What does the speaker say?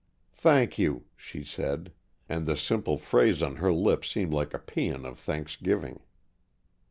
"Thank you," she said, and the simple phrase on her lips seemed like a pæan of thanksgiving.